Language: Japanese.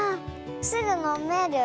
すぐのめる？